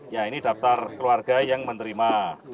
ya ini daftar keluarga yang menerima